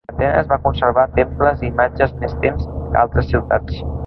Atenes va conservar temples i imatges més temps que altres ciutats.